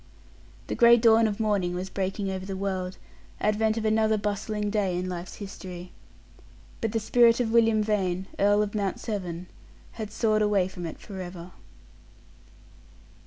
The gray dawn of morning was breaking over the world, advent of another bustling day in life's history; but the spirit of William Vane, Earl of Mount Severn, had soared away from it forever.